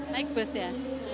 naik bus ya